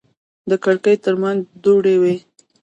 د کړکۍ ترمنځ دوړې وې.